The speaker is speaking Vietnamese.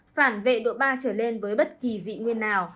phản vệ độ ba trở lên với bất kỳ dị nguyên nào